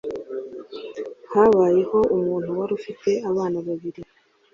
Habayeho umuntu wari ufite abana babiri